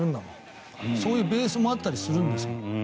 そういうベースもあったりするんです。